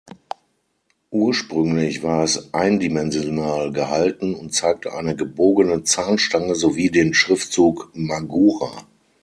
Ursprünglich war es eindimensional gehalten und zeigte eine gebogene Zahnstange sowie den Schriftzug Magura.